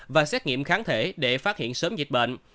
và xét nghiệm kháng thể để phát hiện sớm dịch bệnh